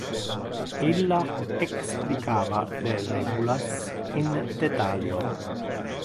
Illa explicava le regulas in detalio.